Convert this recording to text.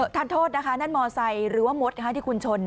ทานโทษนะคะนั่นมอไซค์หรือว่ามดที่คุณชน